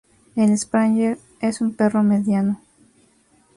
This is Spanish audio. El Springer es un perro mediano.